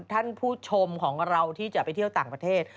ท่านผู้ชมของเราที่จะไปเที่ยวต่างประเทศ